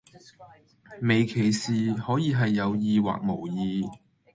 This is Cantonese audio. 微歧視可以係有意或無意